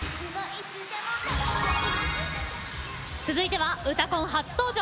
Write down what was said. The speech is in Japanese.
続いては「うたコン」初登場。